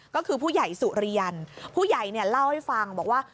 ก็คือผู้ใหญ่สุเรียนผู้ใหญ่เนี่ยเล่าให้ฟังบอกว่า